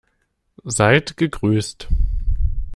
Seid gegrüßt!